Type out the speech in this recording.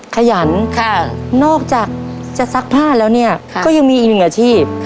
ขยันนอกจากจะซักผ้าแล้วเนี่ยก็ยังมีอีกหนึ่งอาชีพ